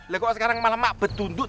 lah kok sekarang malah mabed tunduk